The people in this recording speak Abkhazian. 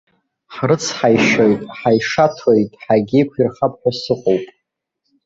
Ҳрыцҳаишьоит, ҳаишаҭоит, ҳагьеиқәирхап ҳәа сыҟоуп.